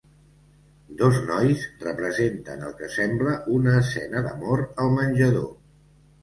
Dos nois representant el que sembla una escena d'amor al menjador.